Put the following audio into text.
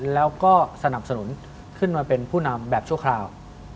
แล้วก็สนับสนุนขึ้นมาเป็นผู้นำแบบชั่วคราว